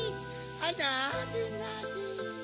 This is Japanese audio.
あっなでなで。